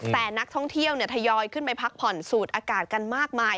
แต่นักท่องเที่ยวทยอยขึ้นไปพักผ่อนสูดอากาศกันมากมาย